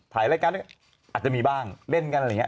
ถ่ายรายการอาจจะมีบ้างเล่นกันอะไรอย่างนี้